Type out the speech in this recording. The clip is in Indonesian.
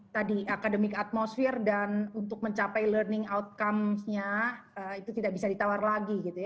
tadi akademik atmosfer dan untuk mencapai learning outcome nya itu tidak bisa ditawar lagi gitu ya